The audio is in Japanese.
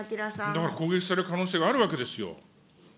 だから攻撃される可能性があるわけですよ。